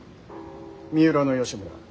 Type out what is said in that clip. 三浦義村